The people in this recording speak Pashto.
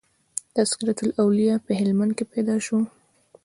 "تذکرةالاولیاء" په هلمند کښي پيدا سو.